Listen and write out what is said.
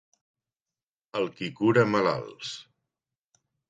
El qui cura malalts.